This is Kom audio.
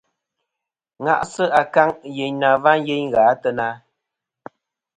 Ŋa'sɨ akaŋ yeyn na va yeyn gha a teyna.